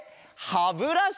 ハブラシ！